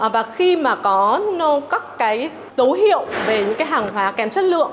và khi mà có các cái dấu hiệu về những cái hàng hóa kém chất lượng